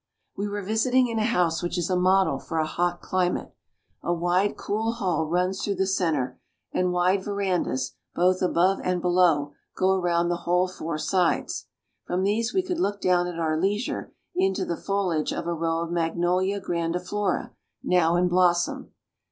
We were visiting in a house which is a model for a hot climate. A wide, cool hall runs through the centre; and wide verandas, both above and below, go around the whole four sides. From these we could look down at our leisure into the foliage of a row of Magnolia grandiflora, now in blossom.